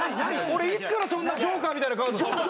俺いつからそんなジョーカーみたいな。